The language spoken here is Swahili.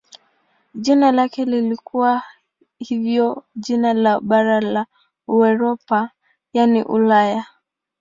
Jina lake lilikuwa hivyo jina la bara la Europa yaani Ulaya.